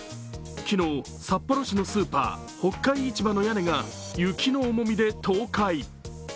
昨日、札幌市のスーパー北海市場の屋根が雪の重みで倒壊。